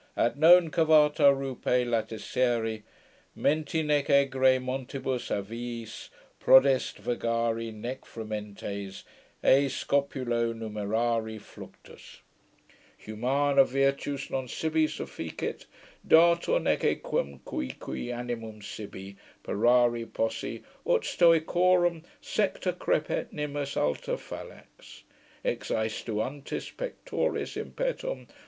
At non cavata rupe latescere, Menti nec aegrae montibus aviis Prodest vagari, nec frementes E scopulo numerare fluctus Humana virtus non sibi sufficit, Datur nee aequum cuique animum sibi Parare posse, ut Stoicorum Secta crepet nimis alta fallax. Exaestuantis pectoris impetum.